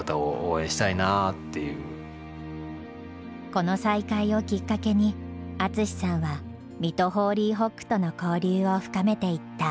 この再会をきっかけに淳さんは水戸ホーリーホックとの交流を深めていった。